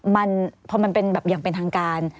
มันพอมันเป็นแบบอย่างเป็นทางการ